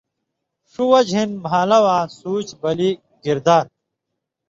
ݜُو وجہۡ ہِن مھالہ واں سوچ، بلی، کردار،